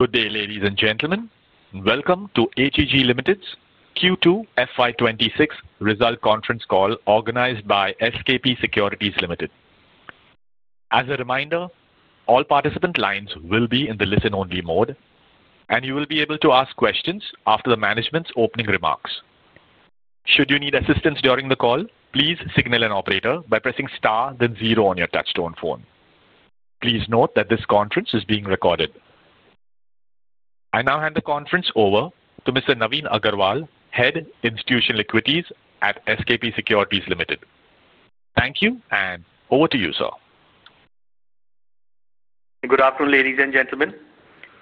Good day, ladies and gentlemen. Welcome to HEG Limited's Q2 FY2026 Result Conference Call organized by SKP Securities Limited. As a reminder, all participant lines will be in the listen-only mode, and you will be able to ask questions after the management's opening remarks. Should you need assistance during the call, please signal an operator by pressing star, then zero on your touchstone phone. Please note that this conference is being recorded. I now hand the conference over to Mr. Navin Agarwal, Head, Institutional Equities at SKP Securities Limited. Thank you, and over to you, sir. Good afternoon, ladies and gentlemen.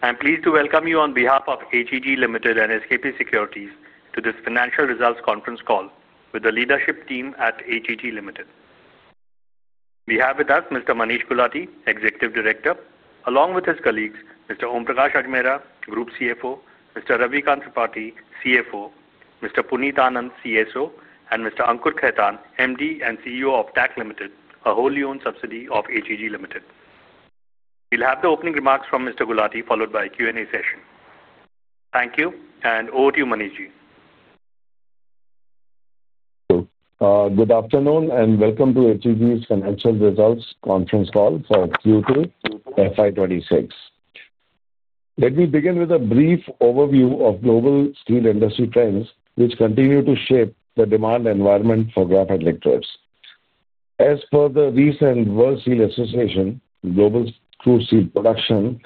I'm pleased to welcome you on behalf of HEG Limited and SKP Securities to this Financial Results Conference Call with the leadership team at HEG Limited. We have with us Mr. Manish Gulati, Executive Director, along with his colleagues, Mr. Om Prakash Ajmera, Group CFO, Mr. Ravi Tripathi, CFO, Mr. Puneeth Anand, CSO, and Mr. Ankur Khaitan, MD and CEO of TACC Limited, a wholly-owned subsidiary of HEG Limited. We'll have the opening remarks from Mr. Gulati, followed by a Q&A session. Thank you, and over to you, Manishi. Good afternoon, and welcome to HEG's Financial Results Conference Call for Q2 FY 2026. Let me begin with a brief overview of global steel industry trends, which continue to shape the demand environment for graphite electrodes. As per the recent World Steel Association global crude steel production,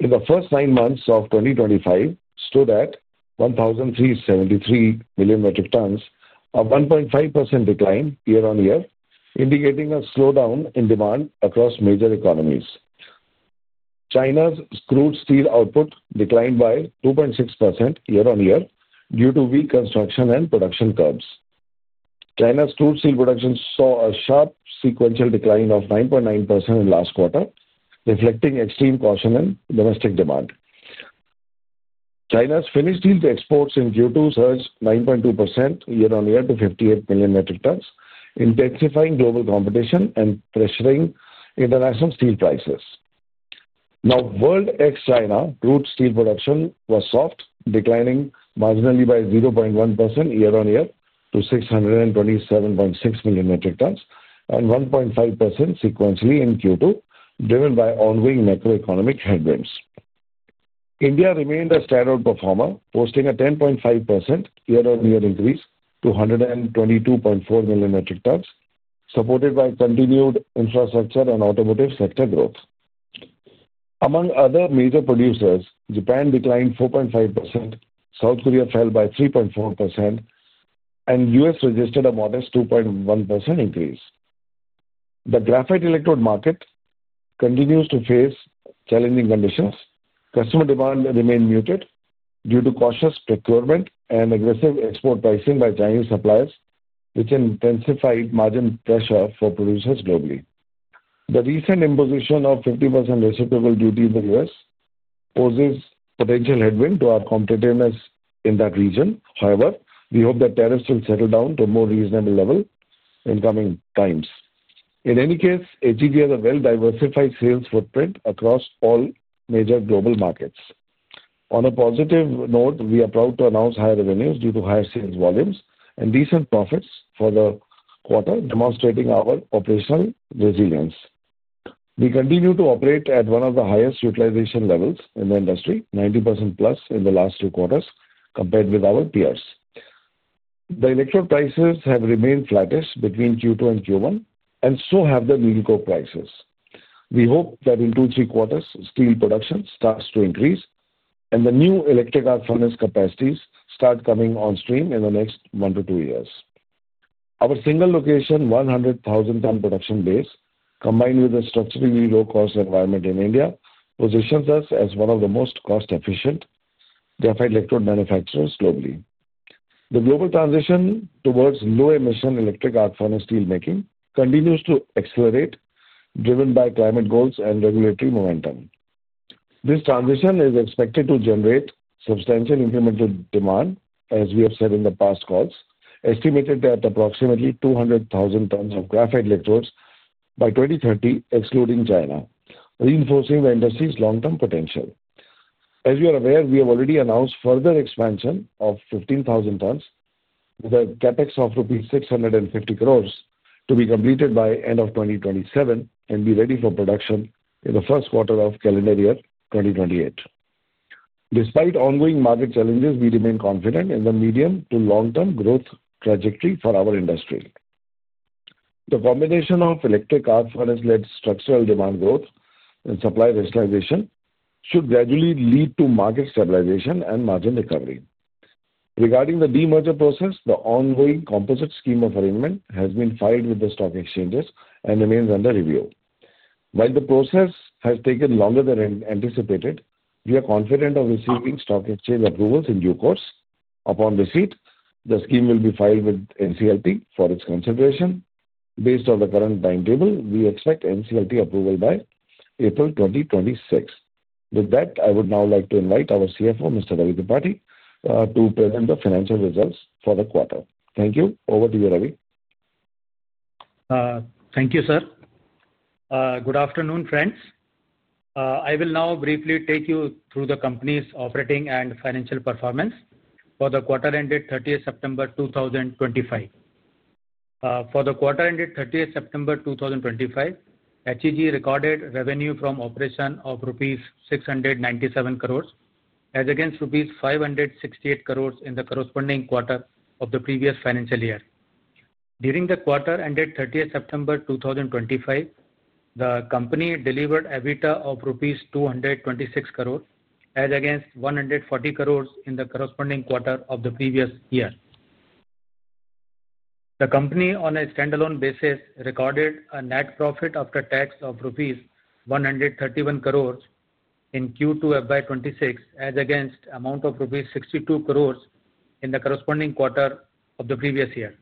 in the first nine months of 2025, stood at 1,373 million metric tons, a 1.5% decline year-on-year, indicating a slowdown in demand across major economies. China's crude steel output declined by 2.6% year-on-year due to weak construction and production curbs. China's crude steel production saw a sharp sequential decline of 9.9% in the last quarter, reflecting extreme caution in domestic demand. China's finished steel exports in Q2 surged 9.2% year-on-year to 58 million metric tons, intensifying global competition and pressuring international steel prices. Now, World ex-China crude steel production was soft, declining marginally by 0.1% year-on-year to 627.6 million metric tons and 1.5% sequentially in Q2, driven by ongoing macroeconomic headwinds. India remained a stand-out performer, posting a 10.5% year-on-year increase to 122.4 million metric tons, supported by continued infrastructure and automotive sector growth. Among other major producers, Japan declined 4.5%, South Korea fell by 3.4%, and the U.S. registered a modest 2.1% increase. The graphite electrode market continues to face challenging conditions. Customer demand remained muted due to cautious procurement and aggressive export pricing by Chinese suppliers, which intensified margin pressure for producers globally. The recent imposition of 50% reciprocal duty in the U.S. poses a potential headwind to our competitiveness in that region. However, we hope that tariffs will settle down to a more reasonable level in coming times. In any case, HEG has a well-diversified sales footprint across all major global markets. On a positive note, we are proud to announce higher revenues due to higher sales volumes and decent profits for the quarter, demonstrating our operational resilience. We continue to operate at one of the highest utilization levels in the industry, 90% plus in the last two quarters, compared with our peers. The electrode prices have remained flattish between Q2 and Q1, and so have the needle coke prices. We hope that in two to three quarters, steel production starts to increase and the new electric arc furnace capacities start coming on stream in the next one to two years. Our single location, 100,000-ton production base, combined with the structurally low-cost environment in India, positions us as one of the most cost-efficient graphite electrode manufacturers globally. The global transition towards low-emission electric arc furnace steelmaking continues to accelerate, driven by climate goals and regulatory momentum. This transition is expected to generate substantial incremental demand, as we have said in the past calls, estimated at approximately 200,000 tons of graphite electrodes by 2030, excluding China, reinforcing the industry's long-term potential. As you are aware, we have already announced further expansion of 15,000 tons with a CapEx of rupees 650 crores to be completed by the end of 2027 and be ready for production in the first quarter of calendar year 2028. Despite ongoing market challenges, we remain confident in the medium to long-term growth trajectory for our industry. The combination of electric arc furnace-led structural demand growth and supply rationalization should gradually lead to market stabilization and margin recovery. Regarding the demerger process, the ongoing composite scheme of arrangement has been filed with the stock exchanges and remains under review. While the process has taken longer than anticipated, we are confident of receiving stock exchange approvals in due course. Upon receipt, the scheme will be filed with NCLT for its consideration. Based on the current timetable, we expect NCLT approval by April 2026. With that, I would now like to invite our CFO, Mr. Ravi Tripathi, to present the financial results for the quarter. Thank you. Over to you, Ravi. Thank you, sir. Good afternoon, friends. I will now briefly take you through the company's operating and financial performance for the quarter-ended 30 September 2025. For the quarter-ended 30 September 2025, HEG recorded revenue from operation of rupees 697 crores as against rupees 568 crores in the corresponding quarter of the previous financial year. During the quarter-ended 30 September 2025, the company delivered EBITDA of rupees 226 crores as against 140 crores in the corresponding quarter of the previous year. The company, on a stand-alone basis, recorded a net profit after tax of rupees 131 crores in Q2 FY 2026 as against the amount of rupees 62 crores in the corresponding quarter of the previous year.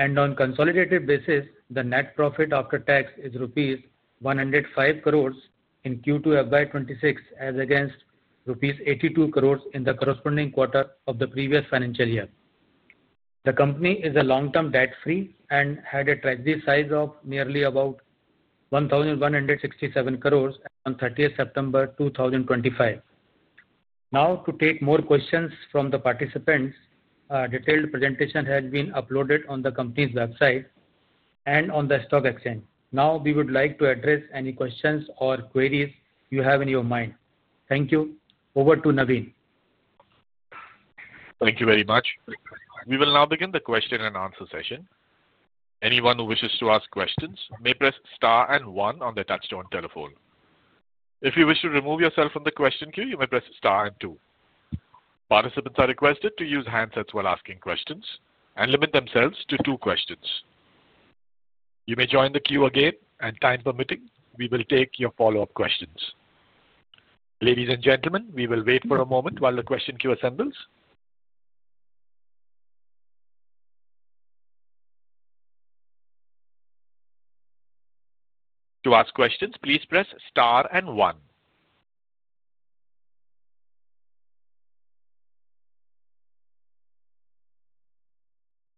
On a consolidated basis, the net profit after tax is rupees 105 crores in Q2 FY 2026 as against rupees 82 crores in the corresponding quarter of the previous financial year. The company is long-term debt-free and had a treasury size of nearly about 1,167 crores on 30th September 2025. Now, to take more questions from the participants, a detailed presentation has been uploaded on the company's website and on the stock exchange. Now, we would like to address any questions or queries you have in your mind. Thank you. Over to Navin. Thank you very much. We will now begin the question and answer session. Anyone who wishes to ask questions may press star and one on the touchstone telephone. If you wish to remove yourself from the question queue, you may press star and two. Participants are requested to use handsets while asking questions and limit themselves to two questions. You may join the queue again, and time permitting, we will take your follow-up questions. Ladies and gentlemen, we will wait for a moment while the question queue assembles. To ask questions, please press star and one.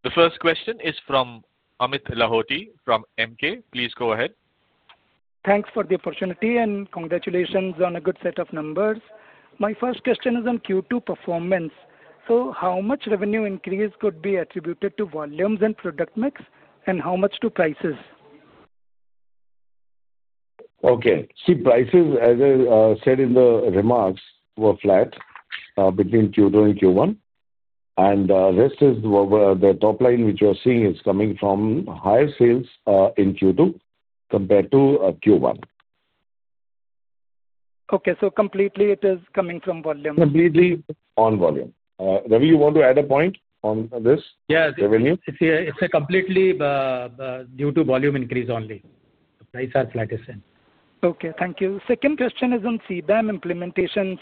The first question is from Amit Lahoti from Emkay Global. Please go ahead. Thanks for the opportunity and congratulations on a good set of numbers. My first question is on Q2 performance. How much revenue increase could be attributed to volumes and product mix, and how much to prices? Okay. See, prices, as I said in the remarks, were flat between Q2 and Q1. The rest is the top line which you are seeing is coming from higher sales in Q2 compared to Q1. Okay. So completely it is coming from volume. Completely on volume. Ravi, you want to add a point on this revenue? Yes. It's completely due to volume increase only. Prices are flattish. Okay. Thank you. Second question is on CBAM implementation.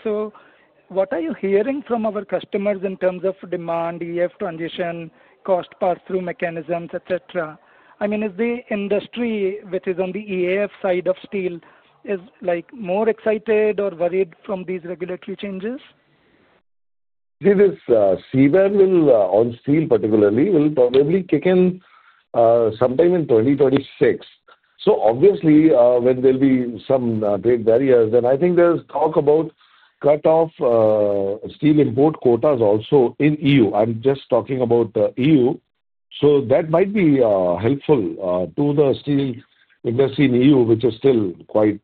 What are you hearing from our customers in terms of demand, EAF transition, cost pass-through mechanisms, etc.? I mean, is the industry which is on the EAF side of steel more excited or worried from these regulatory changes? See, this CBAM on steel particularly will probably kick in sometime in 2026. Obviously, when there will be some great barriers, then I think there's talk about cut-off steel import quotas also in the EU. I'm just talking about the EU. That might be helpful to the steel industry in the EU, which is still quite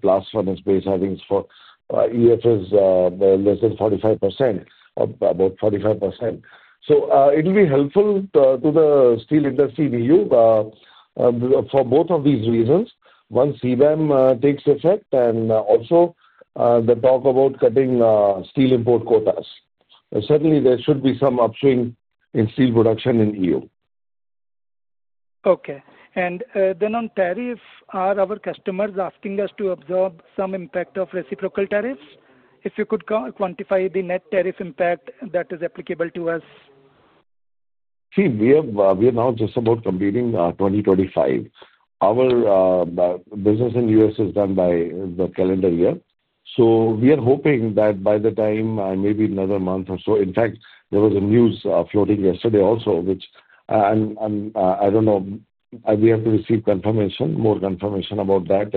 blast from its base, I think, for EAF is less than 45%, about 45%. It will be helpful to the steel industry in the EU for both of these reasons. Once CBAM takes effect and also the talk about cutting steel import quotas, certainly there should be some upswing in steel production in the EU. Okay. And then on tariff, are our customers asking us to absorb some impact of reciprocal tariffs? If you could quantify the net tariff impact that is applicable to us. See, we are now just about completing 2025. Our business in the U.S. is done by the calendar year. We are hoping that by the time maybe another month or so, in fact, there was a news floating yesterday also, which I do not know, we have to receive more confirmation about that.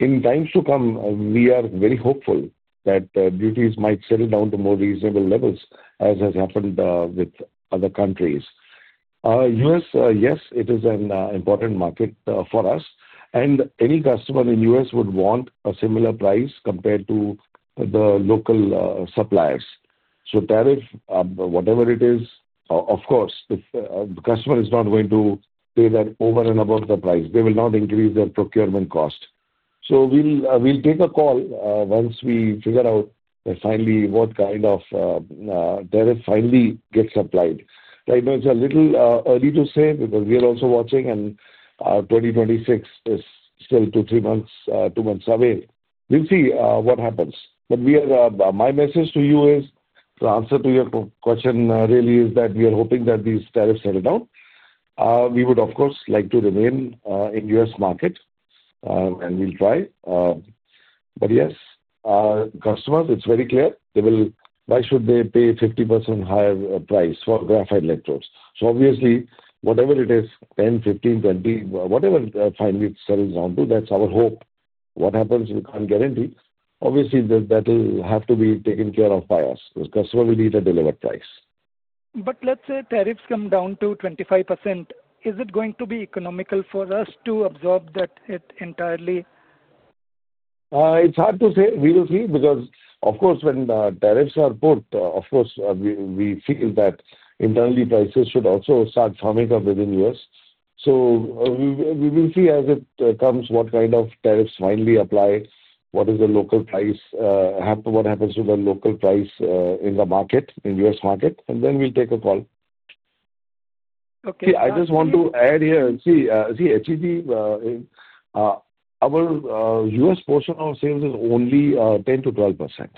In times to come, we are very hopeful that duties might settle down to more reasonable levels, as has happened with other countries. U.S., yes, it is an important market for us. Any customer in the U.S. would want a similar price compared to the local suppliers. Tariff, whatever it is, of course, the customer is not going to pay that over and above the price. They will not increase their procurement cost. We will take a call once we figure out finally what kind of tariff finally gets applied. Right now, it's a little early to say because we are also watching, and 2026 is still two to three months away. We'll see what happens. My message to you is the answer to your question really is that we are hoping that these tariffs settle down. We would, of course, like to remain in the U.S. market, and we'll try. Yes, customers, it's very clear. Why should they pay 50% higher price for graphite electrodes? Obviously, whatever it is, 10, 15, 20, whatever finally it settles down to, that's our hope. What happens, we can't guarantee. Obviously, that will have to be taken care of by us. The customer will need a delivered price. Let's say tariffs come down to 25%. Is it going to be economical for us to absorb that entirely? It's hard to say. We will see because, of course, when tariffs are put, of course, we feel that internally prices should also start firming up within the U.S. So we will see as it comes what kind of tariffs finally apply, what is the local price, what happens to the local price in the market, in the U.S. market, and then we'll take a call. Okay. See, I just want to add here. See, HEG, our U.S. portion of sales is only 10-12%,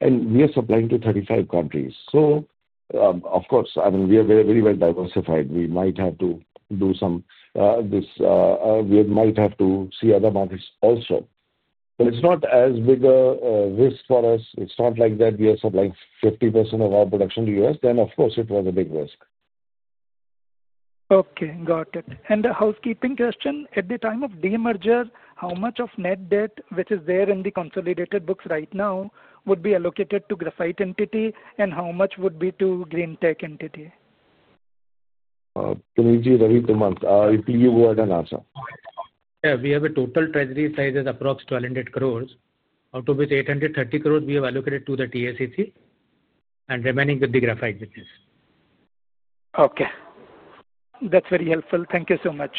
and we are supplying to 35 countries. Of course, I mean, we are very well diversified. We might have to do some this. We might have to see other markets also. It is not as big a risk for us. It is not like that we are supplying 50% of our production to the U.S. Then, of course, it was a big risk. Okay. Got it. The housekeeping question. At the time of demerger, how much of net debt, which is there in the consolidated books right now, would be allocated to graphite entity, and how much would be to green tech entity? Ravi Tripathi, you go ahead and answer. Yeah. We have a total treasury size is approximately 1,200 crores. Out of this, 830 crores we have allocated to the TSEC and remaining with the graphite business. Okay. That's very helpful. Thank you so much.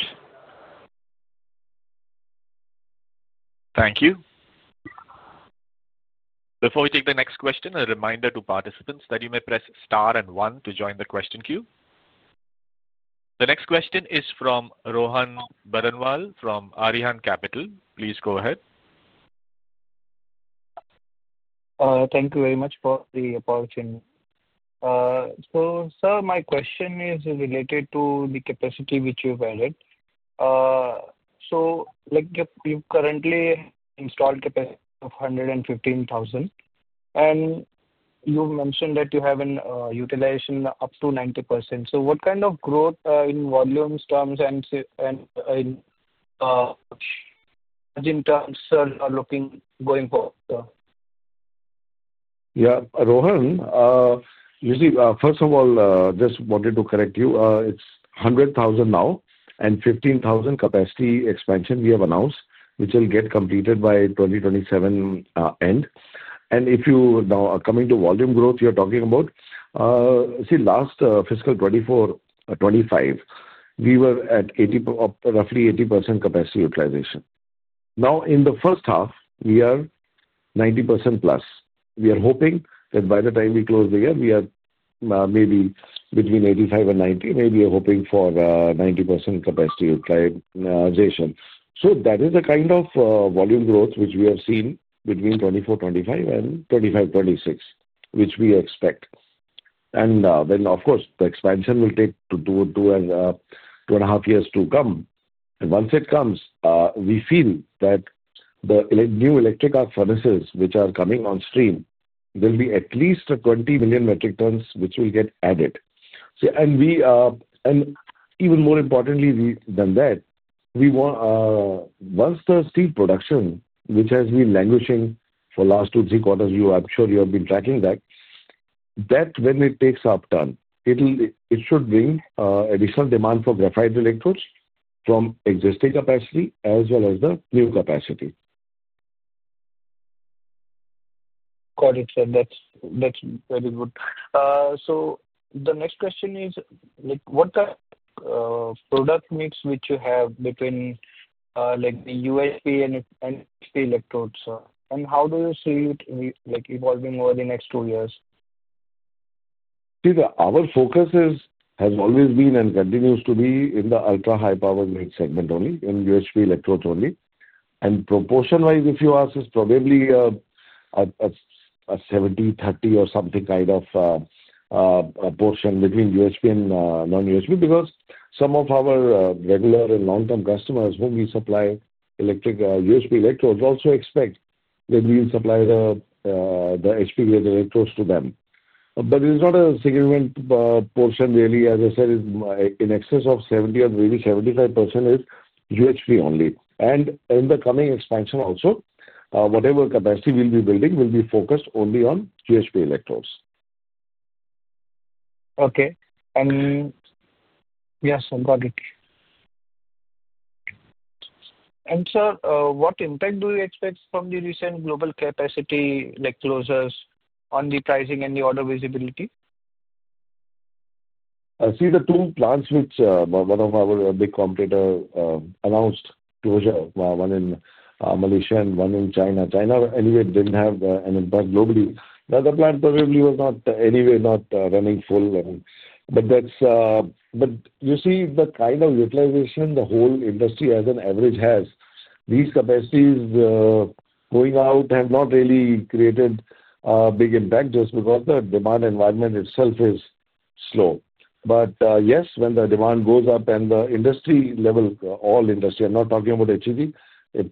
Thank you. Before we take the next question, a reminder to participants that you may press star and one to join the question queue. The next question is from Rohan Baranwal from Arihant Capital. Please go ahead. Thank you very much for the opportunity. Sir, my question is related to the capacity which you have added. You currently have an installed capacity of 115,000, and you mentioned that you have a utilization up to 90%. What kind of growth in volume terms and in margin terms are you looking at going forward? Yeah. Rohan, first of all, just wanted to correct you. It is 100,000 now and 15,000 capacity expansion we have announced, which will get completed by 2027 end. If you now are coming to volume growth you are talking about, see, last fiscal 2024-2025, we were at roughly 80% capacity utilization. Now, in the first half, we are 90% plus. We are hoping that by the time we close the year, we are maybe between 85% and 90%. Maybe we are hoping for 90% capacity utilization. That is the kind of volume growth which we have seen between 2024-2025 and 2025-2026, which we expect. The expansion will take two and a half years to come. Once it comes, we feel that the new electric arc furnaces, which are coming on stream, will be at least 20 million metric tons, which will get added. Even more importantly than that, once the steel production, which has been languishing for the last two, three quarters, I'm sure you have been tracking that, that when it takes upturn, it should bring additional demand for graphite electrodes from existing capacity as well as the new capacity. Got it, sir. That's very good. The next question is, what kind of product mix which you have between UHP and NSP electrodes? And how do you see it evolving over the next two years? See, our focus has always been and continues to be in the ultra-high-power segment only, in UHP electrodes only. Proportion-wise, if you ask, it's probably a 70-30 or something kind of proportion between UHP and non-UHP because some of our regular and long-term customers whom we supply electric UHP electrodes also expect that we will supply the HP-grade electrodes to them. It is not a significant portion, really. As I said, in excess of 70% or maybe 75% is UHP only. In the coming expansion also, whatever capacity we'll be building will be focused only on UHP electrodes. Okay. Yes, I've got it. Sir, what impact do you expect from the recent global capacity closures on the pricing and the order visibility? See, the two plants which one of our big competitors announced closure, one in Malaysia and one in China, China anyway did not have an impact globally. The other plant probably was not anyway not running full. You see the kind of utilization the whole industry as an average has, these capacities going out have not really created a big impact just because the demand environment itself is slow. Yes, when the demand goes up and the industry level, all industry, I am not talking about HEG,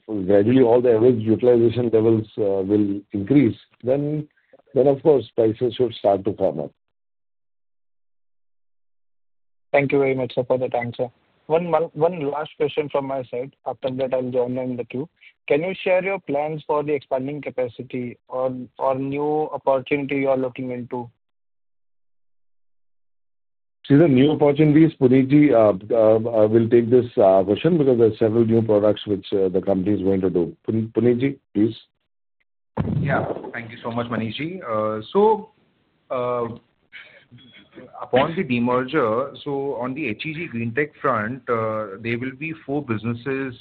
gradually all the average utilization levels will increase, then of course prices should start to come up. Thank you very much for the time, sir. One last question from my side. After that, I'll join in the queue. Can you share your plans for the expanding capacity or new opportunity you are looking into? See, the new opportunities, Puneeth ji, I will take this question because there are several new products which the company is going to do. Puneeth ji, please. Yeah. Thank you so much, Manish ji. Upon the demerger, on the HEG Greentech front, there will be four businesses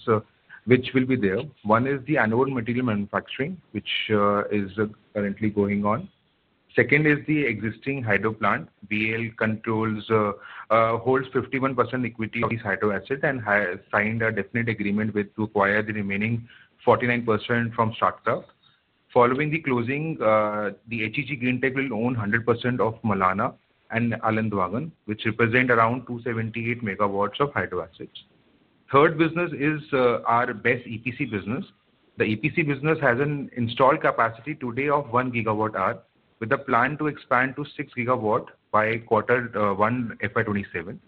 which will be there. One is the anode material manufacturing, which is currently going on. Second is the existing hydro plant. Bhilwara Energy Limited holds 51% equity of these hydro assets and has signed a definite agreement to acquire the remaining 49% from Statkraft. Following the closing, HEG Greentech will own 100% of Malana and Allain Duhangan, which represent around 278 MW of hydro assets. Third business is our BESS EPC business. The EPC business has an installed capacity today of 1 GWh with a plan to expand to 6 GWh by quarter one FY2027.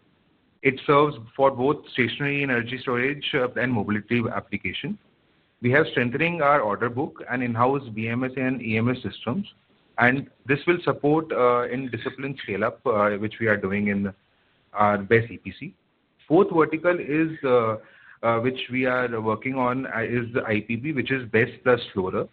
It serves for both stationary energy storage and mobility application. We have been strengthening our order book and in-house BMS and EMS systems. This will support in discipline scale-up, which we are doing in our BESS EPC. The fourth vertical which we are working on is the IPP, which is BESS plus Flora.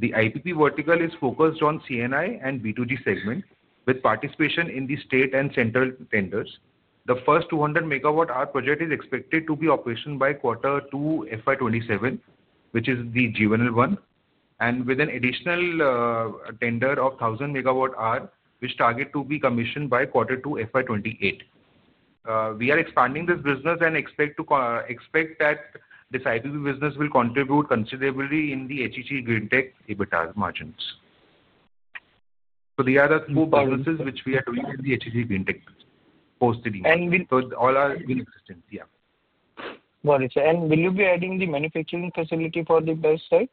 The IPP vertical is focused on C&I and B2G segment with participation in the state and central tenders. The first 200 MWh project is expected to be operational by quarter two FY 2027, which is the Juvenil one, and with an additional tender of 1,000 megawatt hour, which is targeted to be commissioned by quarter two FY 2028. We are expanding this business and expect that this IPP business will contribute considerably in the HEG Greentech EBITDA margins. These are the two businesses which we are doing in the HEG Greentech post the demerger. All are in existence, yeah. Got it. Will you be adding the manufacturing facility for the BESS side?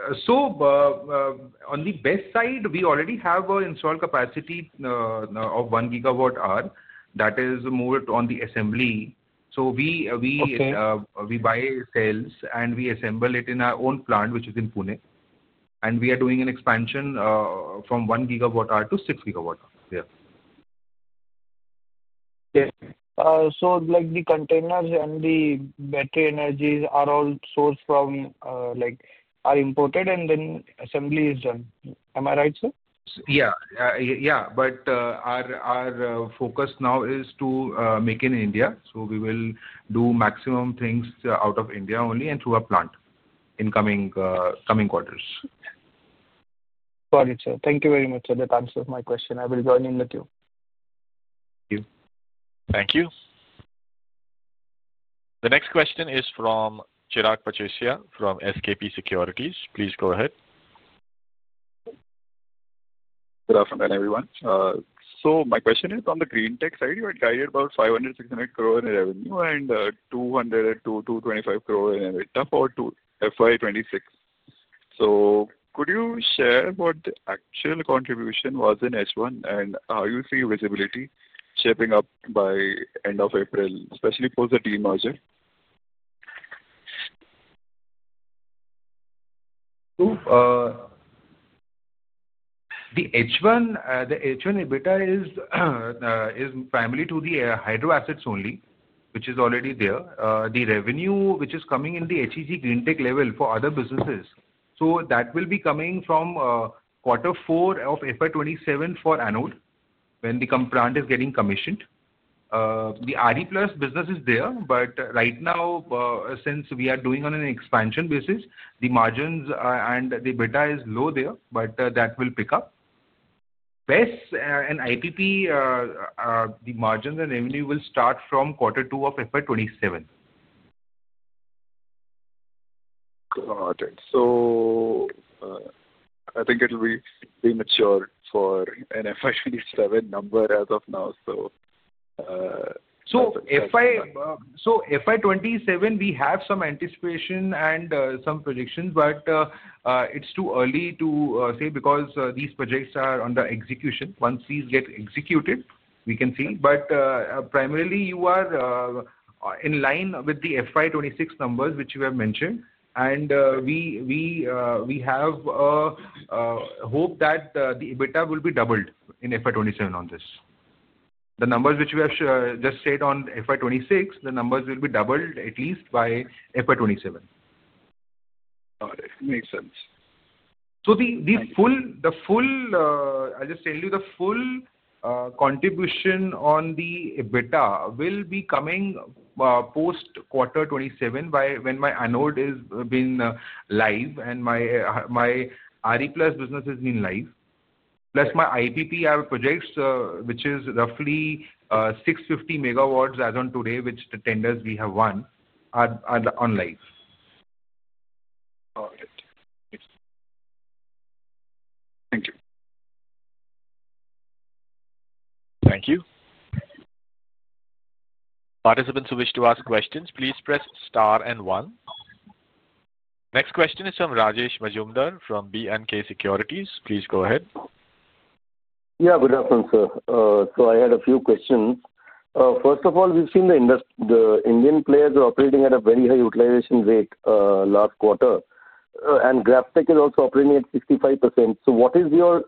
On the BESS side, we already have an installed capacity of 1 GWh. That is more on the assembly. We buy cells and we assemble it in our own plant, which is in Pune. We are doing an expansion from 1 GWh to 6 GWh. Okay. So the containers and the battery energies are all sourced from or imported and then assembly is done. Am I right, sir? Yeah. Yeah. Our focus now is to make in India. We will do maximum things out of India only and through our plant in coming quarters. Got it, sir. Thank you very much for that answer of my question. I will join in the queue. Thank you. Thank you. The next question is from Chirag Pachisia from SKP Securities. Please go ahead. Good afternoon, everyone. My question is on the green tech side, you had carried about 500 crore-600 crore in revenue and 200 crore-225 crore in EBITDA for FY 2026. Could you share what the actual contribution was in H1 and how you see visibility shaping up by end of April, especially post the demerger? The H1 EBITDA is primarily to the hydro assets only, which is already there. The revenue which is coming in at the HEG Greentech level for other businesses, so that will be coming from quarter four of FY 2027 for anode when the plant is getting commissioned. The RE+ business is there, but right now, since we are doing on an expansion basis, the margins and the EBITDA is low there, but that will pick up. BESS and IPP, the margins and revenue will start from quarter two of FY2027. Got it. I think it will be premature for an FY 2027 number as of now, so. FY 2027, we have some anticipation and some predictions, but it's too early to say because these projects are under execution. Once these get executed, we can see. Primarily, you are in line with the FY 2026 numbers which you have mentioned. We have hope that the EBITDA will be doubled in FY 2027 on this. The numbers which we have just said on FY 2026, the numbers will be doubled at least by FY 2027. Got it. Makes sense. I'll just tell you the full contribution on the EBITDA will be coming post quarter 27 when my anode has been live and my RE+ business has been live. Plus my IPP projects, which is roughly 650 MW as on today, which the tenders we have won are on live. Got it. Thank you. Thank you. Participants who wish to ask questions, please press star and one. Next question is from Rajesh Majumdar from B&K Securities. Please go ahead. Yeah. Good afternoon, sir. So I had a few questions. First of all, we've seen the Indian players operating at a very high utilization rate last quarter, and GrafTech is also operating at 65%. What is your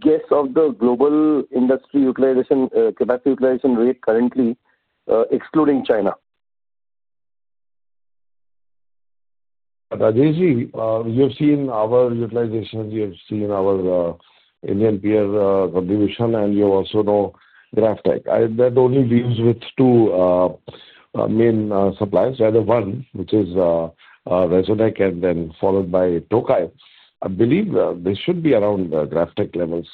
guess of the global industry utilization capacity utilization rate currently, excluding China? Rajesh ji, you've seen our utilization, you've seen our Indian peer contribution, and you also know GrafTech. That only deals with two main suppliers, either one, which is Resonac, and then followed by Tokai. I believe they should be around GrafTech levels.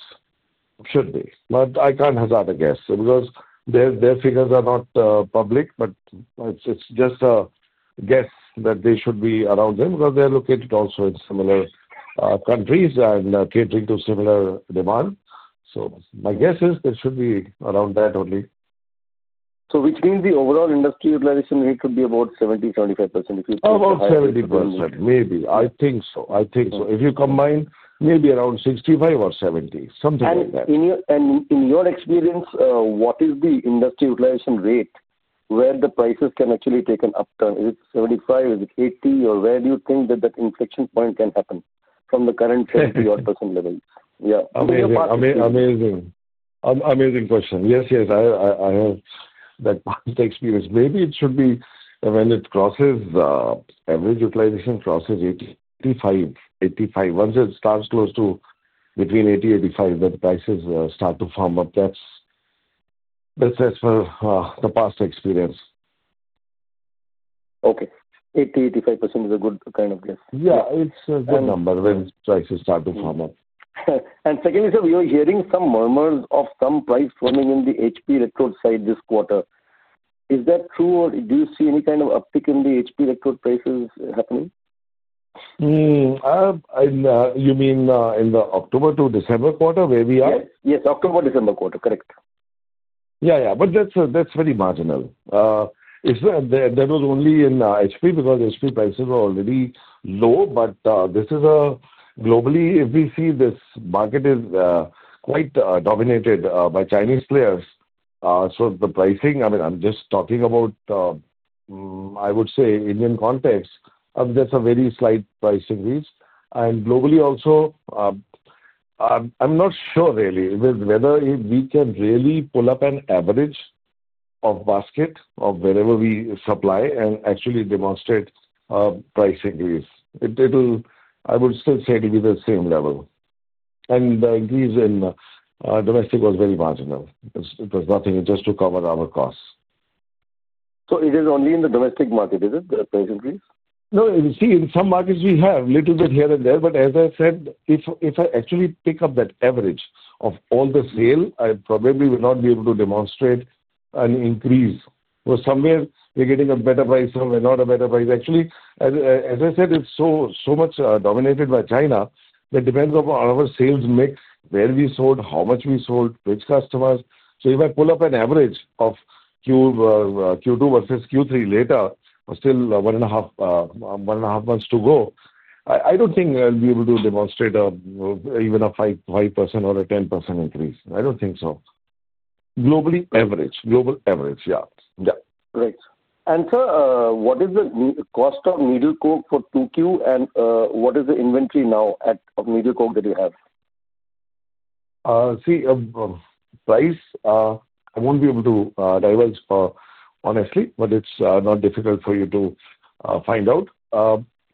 Should be. I can't hazard a guess because their figures are not public, but it's just a guess that they should be around them because they are located also in similar countries and catering to similar demand. My guess is they should be around that only. Which means the overall industry utilization rate could be about 70%-75% if you think about it. About 70%, maybe. I think so. If you combine, maybe around 65% or 70%, something like that. In your experience, what is the industry utilization rate where the prices can actually take an upturn? Is it 75%? Is it 80%? Or where do you think that inflection point can happen from the current 70%-odd level? Yeah. Amazing. Amazing question. Yes, yes. I have that past experience. Maybe it should be when it crosses average utilization, crosses 85%. 85%. Once it starts close to between 80%-85%, then prices start to form up. That's as per the past experience. Okay. 80%-85% is a good kind of guess. Yeah. It's a good number when prices start to firm up. Secondly, sir, we were hearing some murmurs of some price forming in the HP electrode side this quarter. Is that true, or do you see any kind of uptick in the HP electrode prices happening? You mean in the October to December quarter where we are? Yes. Yes. October-December quarter. Correct. Yeah. Yeah. That was very marginal. That was only in HP because HP prices were already low. This is a globally, if we see, this market is quite dominated by Chinese players. The pricing, I mean, I'm just talking about, I would say, Indian context, there's a very slight price increase. Globally also, I'm not sure really whether we can really pull up an average of basket of wherever we supply and actually demonstrate price increase. It will, I would still say, be the same level. The increase in domestic was very marginal. It was nothing. It was just to cover our costs. Is it only in the domestic market, is it, the price increase? No. You see, in some markets, we have a little bit here and there. But as I said, if I actually pick up that average of all the sale, I probably will not be able to demonstrate an increase. Somewhere, we're getting a better price or not a better price. Actually, as I said, it's so much dominated by China. That depends on our sales mix, where we sold, how much we sold, which customers. If I pull up an average of Q2 versus Q3 later, still one and a half months to go, I do not think I will be able to demonstrate even a 5% or a 10% increase. I do not think so. Globally, average. Global average. Yeah. Yeah. Great. Sir, what is the cost of needle coke for 2Q, and what is the inventory now of needle coke that you have? See, price, I won't be able to divulge honestly, but it's not difficult for you to find out.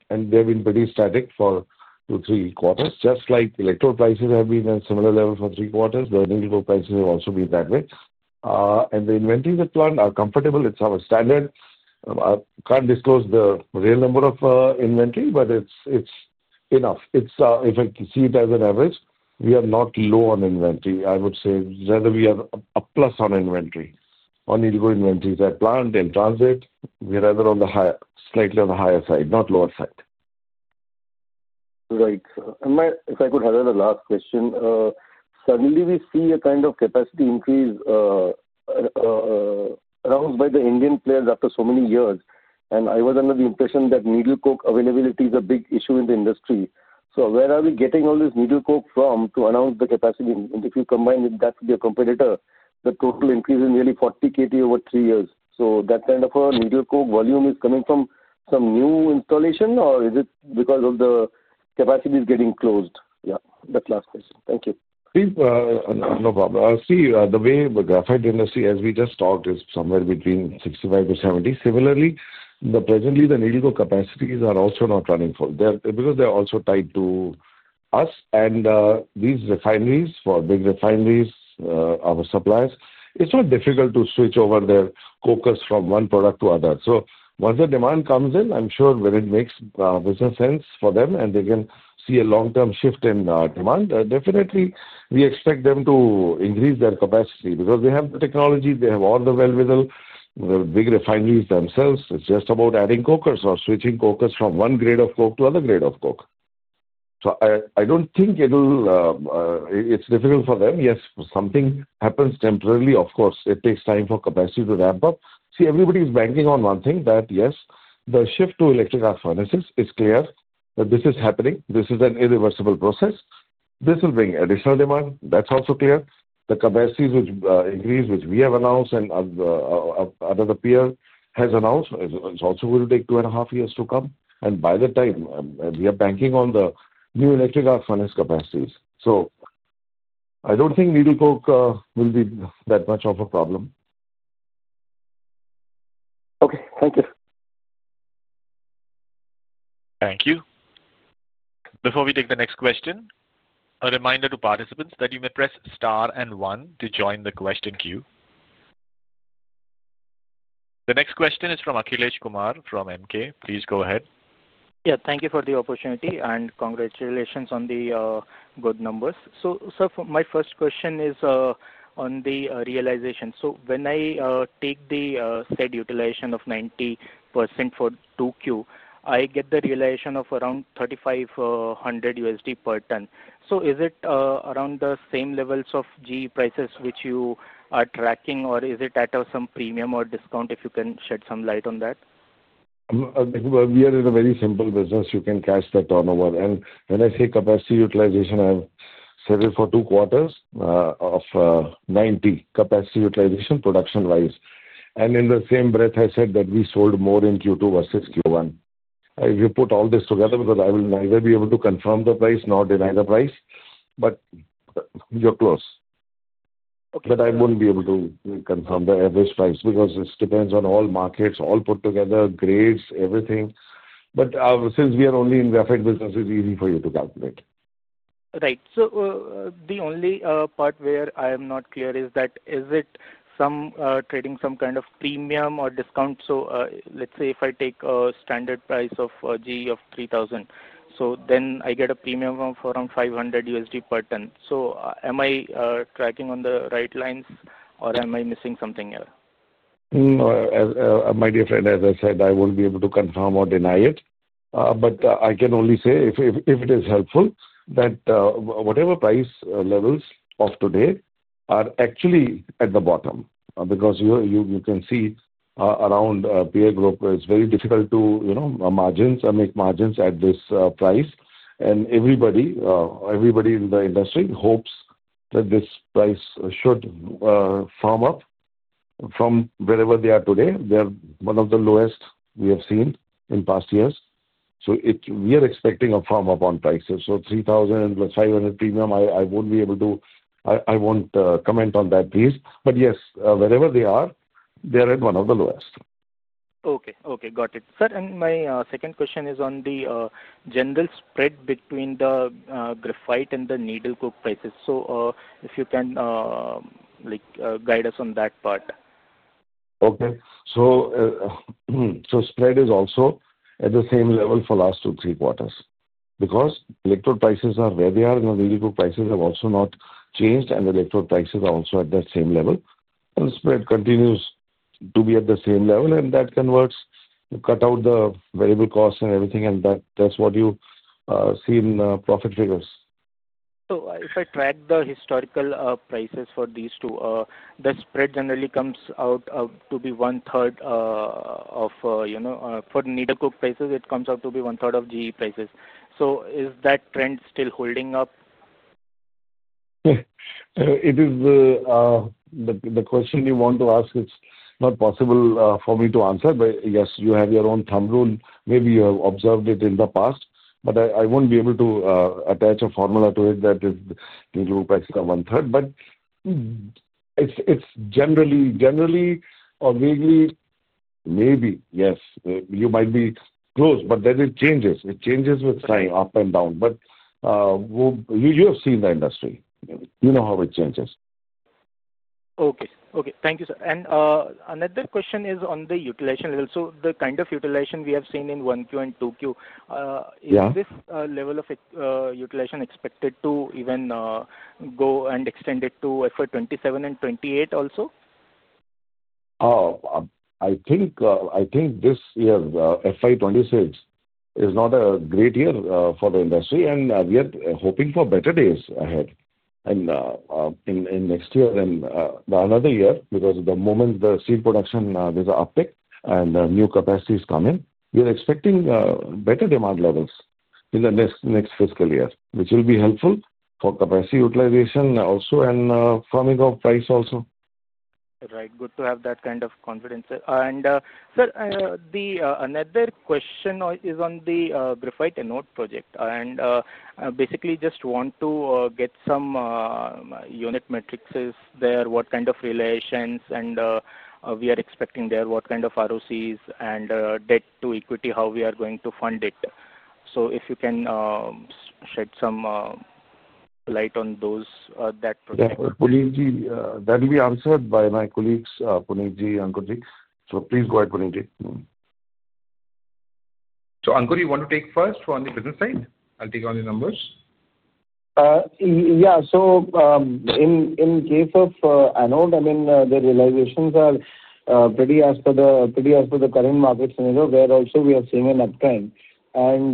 They have been pretty static for two to three quarters. Just like electrode prices have been at a similar level for three quarters, the needle coke prices have also been that way. The inventory at plant are comfortable. It's our standard. I can't disclose the real number of inventory, but it's enough. If I see it as an average, we are not low on inventory. I would say rather we are a plus on inventory. On needle coke inventories at plant and transit, we are rather slightly on the higher side, not lower side. Right. If I could have another last question, suddenly we see a kind of capacity increase announced by the Indian players after so many years. I was under the impression that needle coke availability is a big issue in the industry. Where are we getting all this needle coke from to announce the capacity? If you combine that with your competitor, the total increase is nearly 40 KT over three years. That kind of needle coke volume is coming from some new installation, or is it because capacity is getting closed? Yeah. That is the last question. Thank you. No problem. See, the way the graphite industry, as we just talked, is somewhere between 65%-70%. Similarly, presently, the needle coke capacities are also not running full because they're also tied to us. And these refineries, for big refineries, our suppliers, it's not difficult to switch over their focus from one product to other. Once the demand comes in, I'm sure when it makes business sense for them and they can see a long-term shift in demand, definitely, we expect them to increase their capacity because they have the technology, they have all the well-will. We have big refineries themselves. It's just about adding cokers or switching cokers from one grade of coke to another grade of coke. I don't think it'll be difficult for them. Yes, something happens temporarily, of course. It takes time for capacity to ramp up. See, everybody is banking on one thing that, yes, the shift to electric arc furnaces is clear that this is happening. This is an irreversible process. This will bring additional demand. That's also clear. The capacities which increase, which we have announced and another peer has announced, it's also going to take two and a half years to come. By the time, we are banking on the new electric arc furnace capacities. I don't think needle coke will be that much of a problem. Okay. Thank you. Thank you. Before we take the next question, a reminder to participants that you may press star and one to join the question queue. The next question is from Akhilesh Kumar from Emkay. Please go ahead. Yeah. Thank you for the opportunity and congratulations on the good numbers. Sir, my first question is on the realization. When I take the said utilization of 90% for 2Q, I get the realization of around $3,500 per ton. Is it around the same levels of GE prices which you are tracking, or is it at some premium or discount if you can shed some light on that? We are in a very simple business. You can catch that turnover. When I say capacity utilization, I've said it for two quarters of 90% capacity utilization production-wise. In the same breath, I said that we sold more in Q2 versus Q1. If you put all this together, because I will neither be able to confirm the price nor deny the price, you're close. I won't be able to confirm the average price because it depends on all markets, all put together, grades, everything. Since we are only in graphite business, it's easy for you to calculate. Right. The only part where I am not clear is that, is it trading some kind of premium or discount? Let's say if I take a standard price of GE of $3,000, then I get a premium of around $500 per ton. Am I tracking on the right lines, or am I missing something here? My dear friend, as I said, I won't be able to confirm or deny it. I can only say, if it is helpful, that whatever price levels of today are actually at the bottom because you can see around peer group, it's very difficult to make margins at this price. Everybody in the industry hopes that this price should firm up from wherever they are today. They are one of the lowest we have seen in past years. We are expecting a firm up on prices. $3,000 plus $500 premium, I won't be able to comment on that, please. Yes, wherever they are, they are at one of the lowest. Okay. Okay. Got it. Sir, and my second question is on the general spread between the graphite and the needle coke prices. If you can guide us on that part. Okay. Spread is also at the same level for the last two to three quarters because electrode prices are where they are, and the needle coke prices have also not changed, and the electrode prices are also at that same level. The spread continues to be at the same level, and that converts. You cut out the variable costs and everything, and that's what you see in the profit figures. If I track the historical prices for these two, the spread generally comes out to be one-third for needle coke prices, it comes out to be one-third of GE prices. Is that trend still holding up? It is. The question you want to ask is not possible for me to answer, but yes, you have your own thumb rule. Maybe you have observed it in the past, but I won't be able to attach a formula to it that is needle coke prices are one-third. It is generally or vaguely, maybe, yes, you might be close, but then it changes. It changes with time, up and down. You have seen the industry. You know how it changes. Okay. Okay. Thank you, sir. Another question is on the utilization level. The kind of utilization we have seen in 1Q and 2Q, is this level of utilization expected to even go and extend it to FY 2027 and 2028 also? Oh, I think this year, FI 2026, is not a great year for the industry, and we are hoping for better days ahead in next year and another year because the moment the steel production is uptick and new capacities come in, we are expecting better demand levels in the next fiscal year, which will be helpful for capacity utilization also and firming of price also. Right. Good to have that kind of confidence. Sir, another question is on the graphite anode project. Basically, just want to get some unit metrics there, what kind of realizations we are expecting there, what kind of ROCs and debt to equity, how we are going to fund it. If you can shed some light on that project. Yeah. Puneeth ji, that will be answered by my colleagues, Puneeth ji and Ankur ji. So please go ahead, Puneeth ji. Ankur, you want to take first for on the business side? I'll take on the numbers. Yeah. In case of anode, I mean, the realizations are pretty as per the current market scenario, where also we are seeing an uptrend.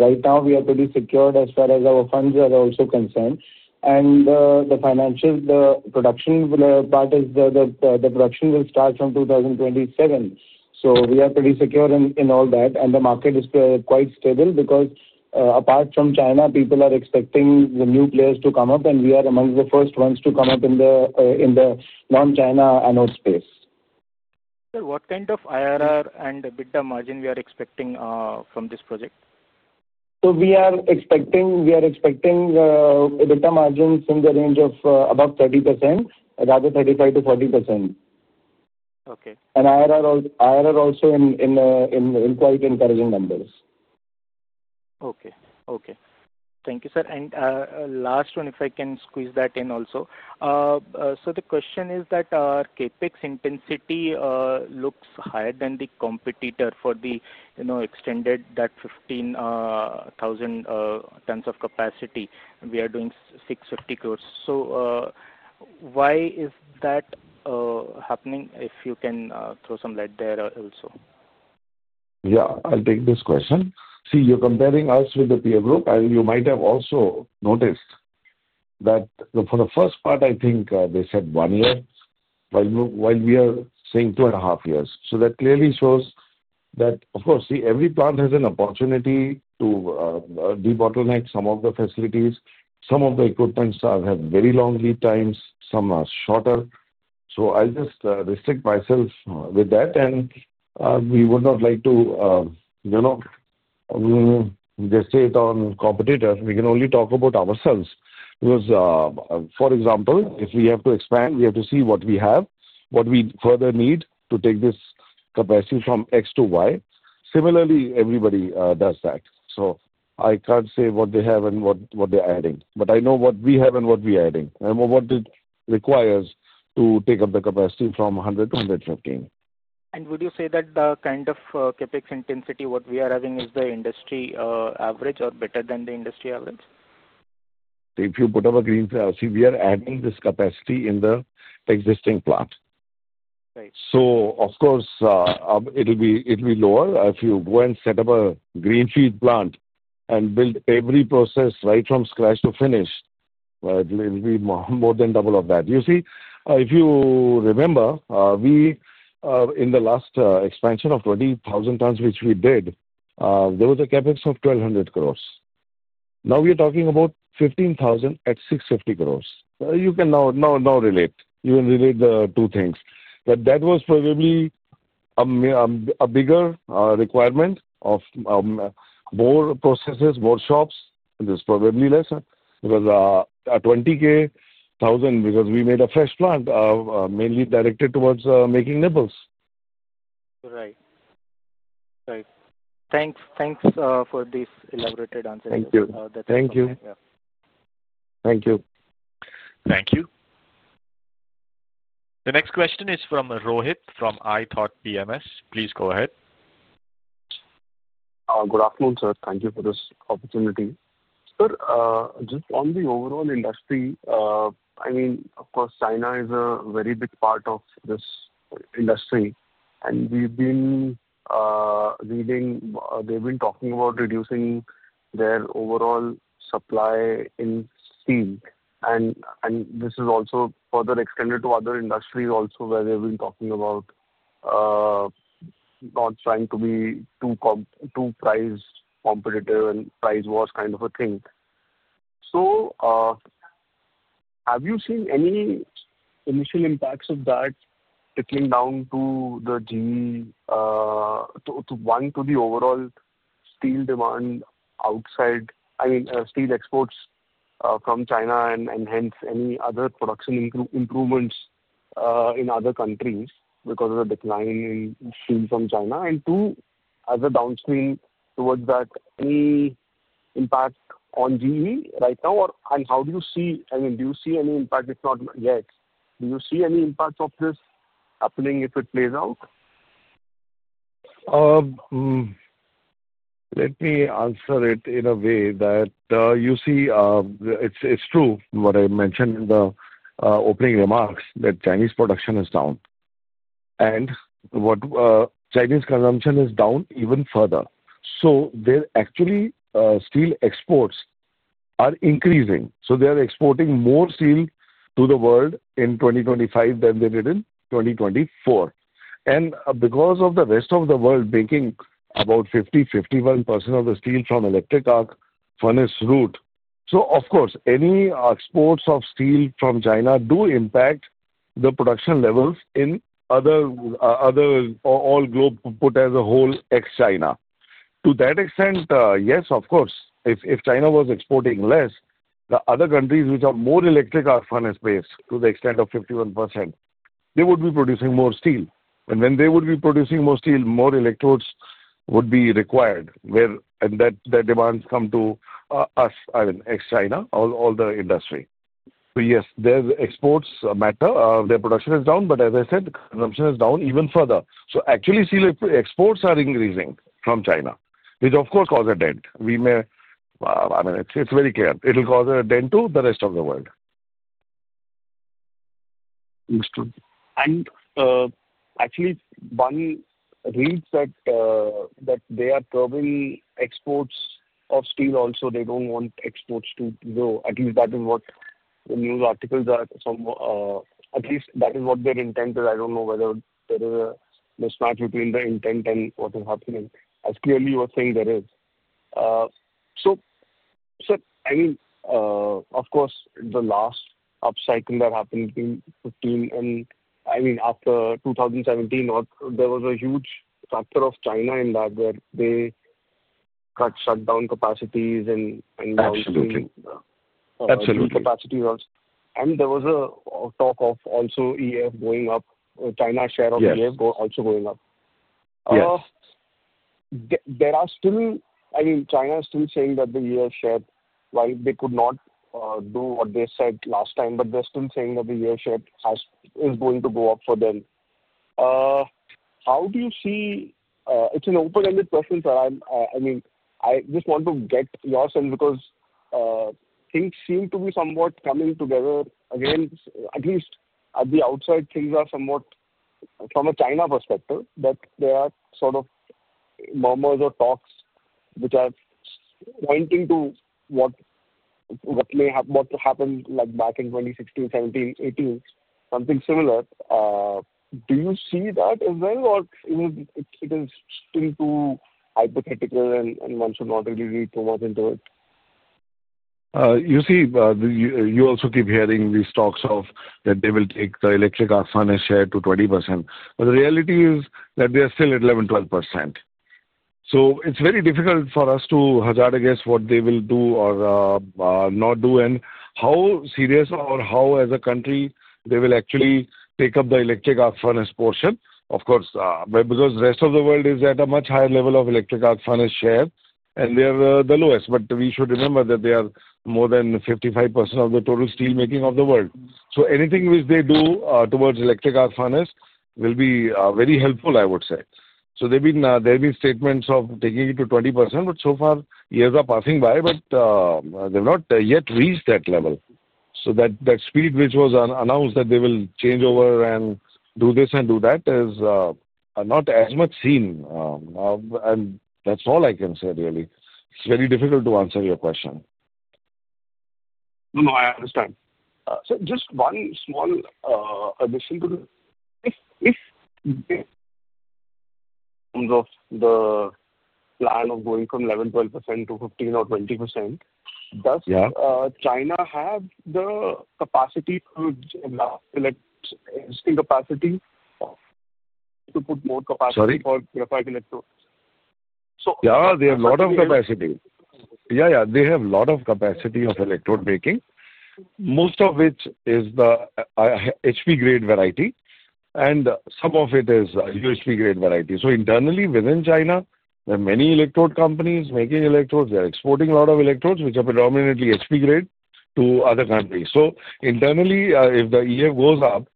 Right now, we are pretty secured as far as our funds are also concerned. The financial production part is the production will start from 2027. We are pretty secure in all that. The market is quite stable because apart from China, people are expecting the new players to come up, and we are among the first ones to come up in the non-China anode space. Sir, what kind of IRR and EBITDA margin are we expecting from this project? We are expecting EBITDA margin in the range of about 30%, rather 35-40%. IRR also in quite encouraging numbers. Okay. Okay. Thank you, sir. Last one, if I can squeeze that in also. The question is that CapEx intensity looks higher than the competitor for the expanded 15,000 tons of capacity. We are doing 650 crores. Why is that happening if you can throw some light there also? Yeah. I'll take this question. See, you're comparing us with the peer group, and you might have also noticed that for the first part, I think they said one year, while we are saying two and a half years. That clearly shows that, of course, see, every plant has an opportunity to de-bottleneck some of the facilities. Some of the equipment has very long lead times. Some are shorter. I'll just restrict myself with that. We would not like to just say it on competitor. We can only talk about ourselves. Because, for example, if we have to expand, we have to see what we have, what we further need to take this capacity from X to Y. Similarly, everybody does that. I can't say what they have and what they're adding. I know what we have and what we're adding and what it requires to take up the capacity from 100 to 115. Would you say that the kind of CapEx intensity what we are having is the industry average or better than the industry average? If you put up a greenfield, see, we are adding this capacity in the existing plant. Of course, it will be lower. If you go and set up a greenfield plant and build every process right from scratch to finish, it will be more than double of that. You see, if you remember, in the last expansion of 20,000 tons, which we did, there was a CapEx of 1,200 crores. Now we are talking about 15,000 at 650 crores. You can now relate. You can relate the two things. That was probably a bigger requirement of more processes, more shops. It is probably lesser because 20,000 because we made a fresh plant mainly directed towards making nibbles. Right. Thanks. Thanks for this elaborated answer. Thank you. Thank you. The next question is from Rohit from ithought PMS. Please go ahead. Good afternoon, sir. Thank you for this opportunity. Sir, just on the overall industry, I mean, of course, China is a very big part of this industry. And we've been reading they've been talking about reducing their overall supply in steel. This is also further extended to other industries also where they've been talking about not trying to be too price competitive and price war kind of a thing. Have you seen any initial impacts of that trickling down to the GE, one, to the overall steel demand outside, I mean, steel exports from China, and hence any other production improvements in other countries because of the decline in steel from China? Two, as a downstream towards that, any impact on GE right now? How do you see, I mean, do you see any impact, if not yet? Do you see any impact of this happening if it plays out? Let me answer it in a way that you see, it's true what I mentioned in the opening remarks that Chinese production is down. And Chinese consumption is down even further. So actually, steel exports are increasing. They are exporting more steel to the world in 2025 than they did in 2024. Because the rest of the world is making about 50%-51% of the steel from electric arc furnace route, any exports of steel from China do impact the production levels in other all globe put as a whole ex-China. To that extent, yes, of course. If China was exporting less, the other countries which are more electric arc furnace based to the extent of 51%, they would be producing more steel. When they would be producing more steel, more electrodes would be required. That demands come to us, I mean, ex-China, all the industry. Yes, their exports matter. Their production is down. As I said, consumption is down even further. Actually, steel exports are increasing from China, which of course cause a dent. I mean, it's very clear. It will cause a dent to the rest of the world. Understood. Actually, one reads that they are curbing exports of steel also. They do not want exports to grow. At least that is what the news articles are from. At least that is what their intent is. I do not know whether there is a mismatch between the intent and what is happening, as clearly you are saying there is. Sir, I mean, of course, the last upcycle that happened between 2015 and, I mean, after 2017, there was a huge factor of China in that where they shut down capacities and. Absolutely. Absolutely. Capacities also. There was a talk of also EAF going up, China's share of EAF also going up. There are still, I mean, China is still saying that their share, while they could not do what they said last time, but they're still saying that their share is going to go up for them. How do you see it? It's an open-ended question, sir. I mean, I just want to get your sense because things seem to be somewhat coming together again. At least at the outside, things are somewhat from a China perspective, but there are sort of murmurs or talks which are pointing to what may have happened back in 2016, 2017, 2018, something similar. Do you see that as well, or is it still too hypothetical, and one should not really read too much into it? You see, you also keep hearing these talks of that they will take the electric arc furnace share to 20%. The reality is that they are still at 11%-12%. It is very difficult for us to hazard against what they will do or not do and how serious or how, as a country, they will actually take up the electric arc furnace portion. Of course, the rest of the world is at a much higher level of electric arc furnace share, and they are the lowest. We should remember that they are more than 55% of the total steelmaking of the world. Anything which they do towards electric arc furnace will be very helpful, I would say. There have been statements of taking it to 20%, but so far, years are passing by, but they have not yet reached that level. That speed which was announced that they will change over and do this and do that is not as much seen. That's all I can say, really. It's very difficult to answer your question. No, no. I understand. Sir, just one small addition to the if in terms of the plan of going from 11%-12% to 15% or 20%, does China have the capacity to last electric capacity to put more capacity for graphite electrodes? Yeah. They have a lot of capacity. Yeah, yeah. They have a lot of capacity of electrode making, most of which is the HP-grade variety, and some of it is UHP-grade variety. Internally, within China, there are many electrode companies making electrodes. They are exporting a lot of electrodes, which are predominantly HP-grade, to other countries. Internally, if the EAF goes up,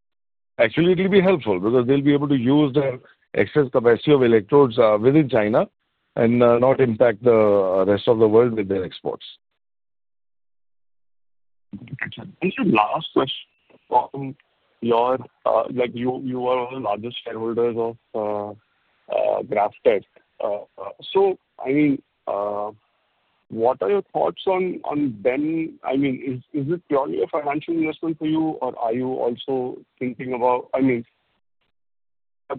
actually, it will be helpful because they'll be able to use their excess capacity of electrodes within China and not impact the rest of the world with their exports. Last question, you are one of the largest shareholders of GrafTech. I mean, what are your thoughts on them? I mean, is it purely a financial investment for you, or are you also thinking about, I mean,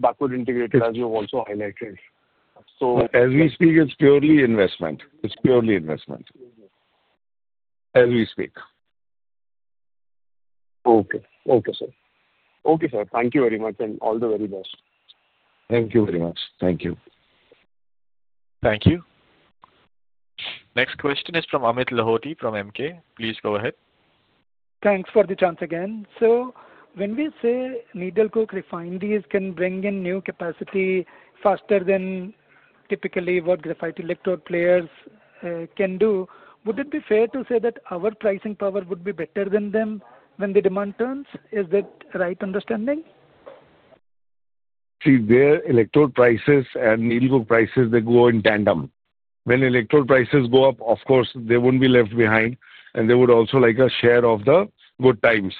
backward integrated, as you've also highlighted? As we speak, it's purely investment. As we speak. Okay, sir. Thank you very much, and all the very best. Thank you very much. Thank you. Thank you. Next question is from Amit Lahoti from Emkay. Please go ahead. Thanks for the chance again. When we say needle coke refineries can bring in new capacity faster than typically what graphite electrode players can do, would it be fair to say that our pricing power would be better than them when the demand turns? Is that a right understanding? See, their electrode prices and needle coke prices, they go in tandem. When electrode prices go up, of course, they won't be left behind, and they would also like a share of the good times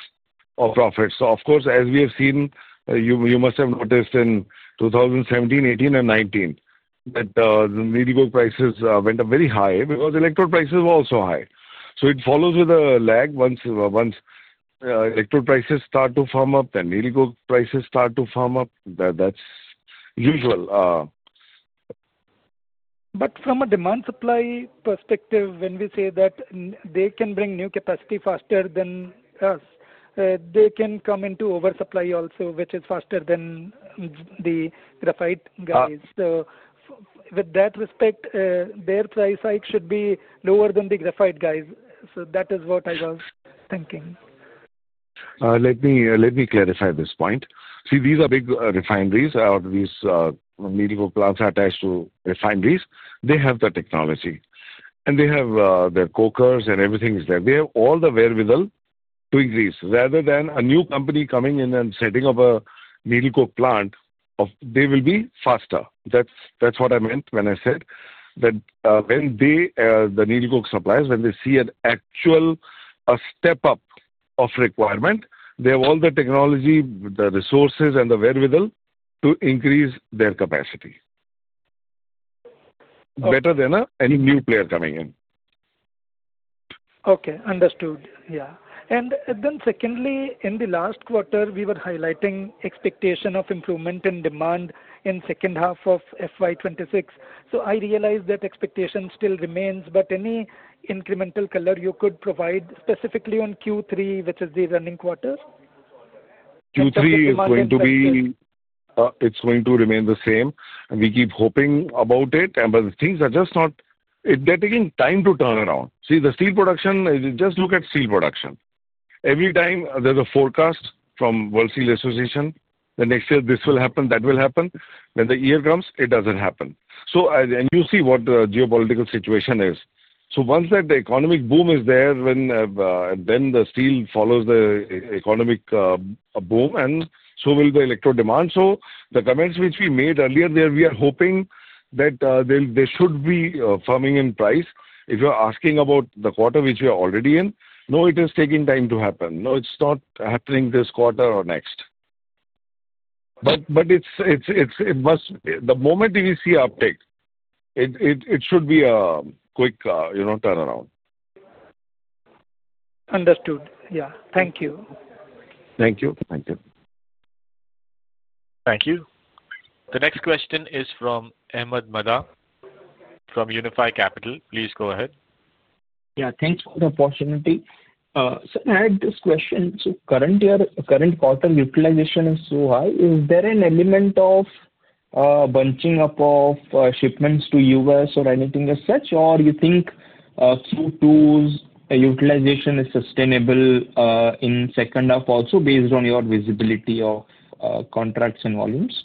or profits. Of course, as we have seen, you must have noticed in 2017, 2018, and 2019 that needle coke prices went up very high because electrode prices were also high. It follows with a lag. Once electrode prices start to firm up and needle coke prices start to firm up, that's usual. From a demand-supply perspective, when we say that they can bring new capacity faster than us, they can come into oversupply also, which is faster than the graphite guys. With that respect, their price hike should be lower than the graphite guys. That is what I was thinking. Let me clarify this point. See, these are big refineries or these needle coke plants are attached to refineries. They have the technology, and they have their cokers and everything is there. They have all the wherewithal to increase. Rather than a new company coming in and setting up a needle coke plant, they will be faster. That's what I meant when I said that when the needle coke suppliers, when they see an actual step-up of requirement, they have all the technology, the resources, and the wherewithal to increase their capacity better than any new player coming in. Okay. Understood. Yeah. Then secondly, in the last quarter, we were highlighting expectation of improvement in demand in second half of FY 2026. I realize that expectation still remains, but any incremental color you could provide specifically on Q3, which is the running quarter? Q3 is going to be, it's going to remain the same. We keep hoping about it, but things are just not, they're taking time to turn around. See, the steel production, just look at steel production. Every time there's a forecast from World Steel Association, the next year this will happen, that will happen. When the year comes, it doesn't happen. You see what the geopolitical situation is. Once that economic boom is there, then the steel follows the economic boom, and so will the electrode demand. The comments which we made earlier, there we are hoping that they should be firming in price. If you're asking about the quarter which we are already in, no, it is taking time to happen. No, it's not happening this quarter or next. The moment we see an uptake, it should be a quick turnaround. Understood. Yeah. Thank you. Thank you. Thank you. Thank you. The next question is from Ahmed Madha from Unifi Capital. Please go ahead. Yeah. Thanks for the opportunity. Sir, I had this question. So current quarter utilization is so high. Is there an element of bunching up of shipments to the U.S. or anything as such, or you think Q2's utilization is sustainable in second half also based on your visibility of contracts and volumes?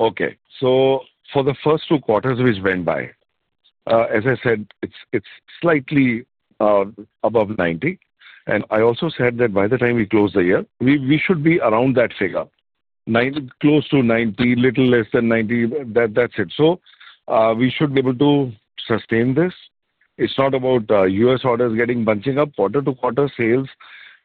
Okay. For the first two quarters which went by, as I said, it is slightly above 90. I also said that by the time we close the year, we should be around that figure, close to 90, little less than 90. That is it. We should be able to sustain this. It is not about U.S. orders getting bunching up quarter to quarter sales.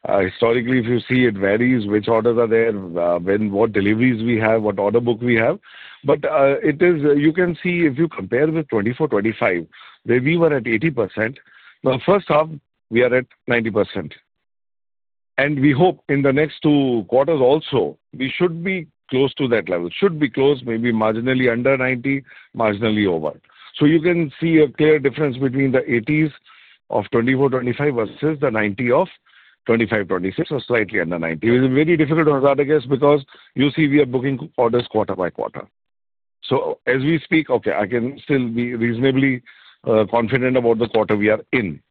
Historically, if you see, it varies which orders are there, what deliveries we have, what order book we have. You can see if you compare with 2024, 2025, where we were at 80%. Now, first half, we are at 90%. We hope in the next two quarters also, we should be close to that level. Should be close, maybe marginally under 90, marginally over. You can see a clear difference between the 80s of 2024, 2025 versus the 90 of 2025, 2026, or slightly under 90. It is very difficult to hazard, I guess, because you see we are booking orders quarter by quarter. As we speak, I can still be reasonably confident about the quarter we are in.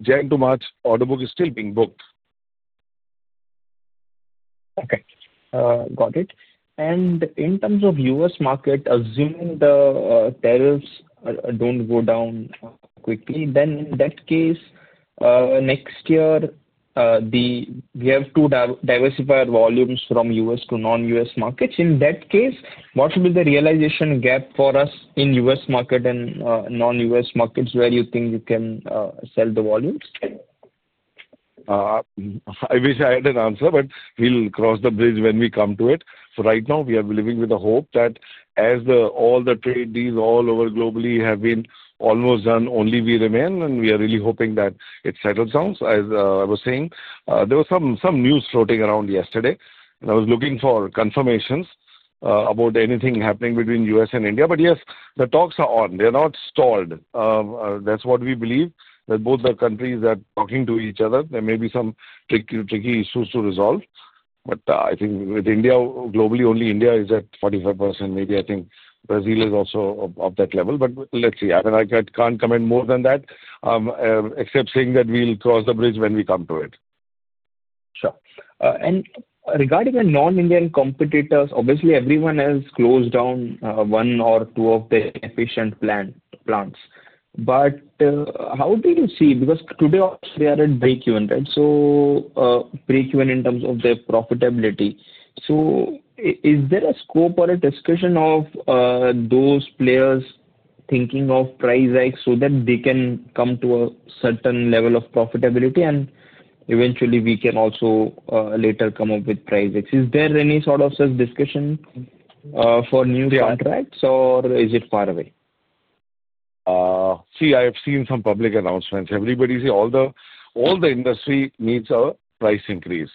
Year-to-March, order book is still being booked. Okay. Got it. In terms of U.S. market, assuming the tariffs do not go down quickly, in that case, next year, we have to diversify volumes from U.S. to non-U.S. markets. In that case, what will be the realization gap for us in U.S. market and non-U.S. markets where you think you can sell the volumes? I wish I had an answer, but we'll cross the bridge when we come to it. Right now, we are living with the hope that as all the trade deals all over globally have been almost done, only we remain, and we are really hoping that it settles down. As I was saying, there was some news floating around yesterday, and I was looking for confirmations about anything happening between the U.S. and India. Yes, the talks are on. They're not stalled. That's what we believe, that both the countries are talking to each other. There may be some tricky issues to resolve. I think with India, globally, only India is at 45%. Maybe I think Brazil is also of that level. Let's see. I can't comment more than that, except saying that we'll cross the bridge when we come to it. Sure. Regarding the non-Indian competitors, obviously, everyone else closed down one or two of their efficient plants. How do you see, because today, they are at break-even, right? Break-even in terms of their profitability. Is there a scope or a discussion of those players thinking of price hikes so that they can come to a certain level of profitability, and eventually, we can also later come up with price hikes? Is there any sort of such discussion for new contracts, or is it far away? See, I have seen some public announcements. Everybody says all the industry needs a price increase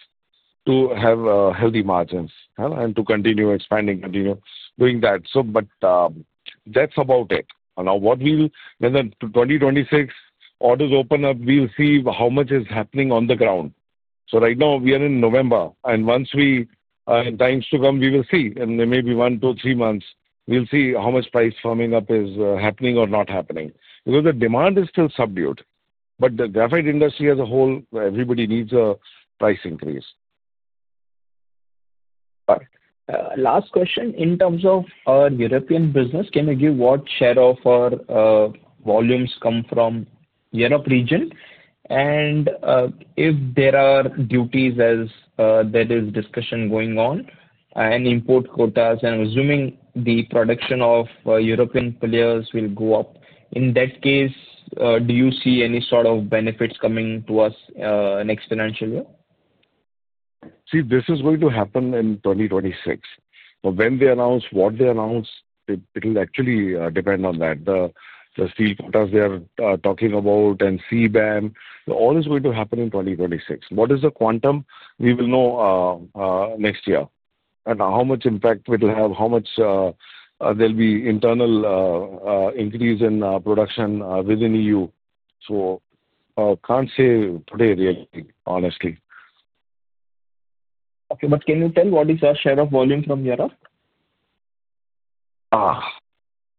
to have healthy margins and to continue expanding, continue doing that. That is about it. Now, when the 2026 orders open up, we will see how much is happening on the ground. Right now, we are in November. Once the time comes, we will see. There may be one, two, three months. We will see how much price firming up is happening or not happening. The demand is still subdued, but the graphite industry as a whole, everybody needs a price increase. Got it. Last question. In terms of our European business, can you give what share of our volumes come from Europe region? If there are duties as there is discussion going on and import quotas, I'm assuming the production of European players will go up. In that case, do you see any sort of benefits coming to us next financial year? See, this is going to happen in 2026. When they announce what they announce, it will actually depend on that. The steel quotas they are talking about and CBAM, all is going to happen in 2026. What is the quantum, we will know next year. How much impact will it have, how much there will be internal increase in production within EU. I can't say today, really, honestly. Okay. Can you tell what is our share of volume from Europe?